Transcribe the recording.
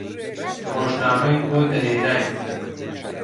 ڕۆژنامەی بۆ دەهێناین